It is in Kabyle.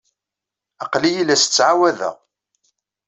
Aql-iyi la as-ttɛawadeɣ.